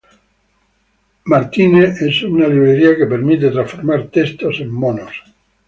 Mermaid es una librería que permite transformar texto en “monos”.